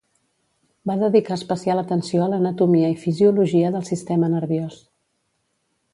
Va dedicar especial atenció a l'anatomia i fisiologia del sistema nerviós.